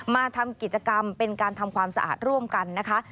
มาทำกิจกรรมเป็นการทำความสะอาดร่วมกันนะคะ